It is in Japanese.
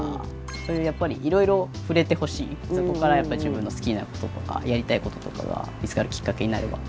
そういうやっぱりいろいろ触れてほしいそこからやっぱり自分の好きなこととかやりたいこととかが見つかるきっかけになれば。